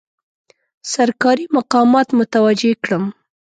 سرکاري مقامات متوجه کړم.